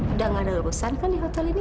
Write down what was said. udah gak ada urusan kali hotel ini